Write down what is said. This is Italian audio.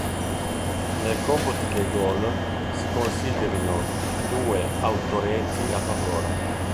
Nel computo dei gol si considerino due autoreti a favore.